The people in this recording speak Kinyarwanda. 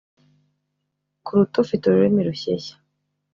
kuruta ufite ururimi rushyeshya